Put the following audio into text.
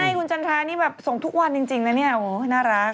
ใช่คุณจันทรานี่ส่งทุกวันจริงนะนี่โอ้โฮน่ารัก